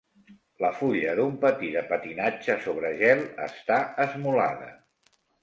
La fulla d'un patí de patinatge sobre gel està esmolada.